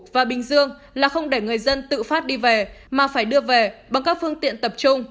và bình dương là không để người dân tự phát đi về mà phải đưa về bằng các phương tiện tập trung